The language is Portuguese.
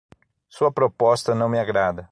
Sua proposta não me agrada